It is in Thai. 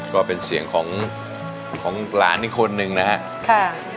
ก็เป็นเสียงของหลานอีกคนนึงนะครับ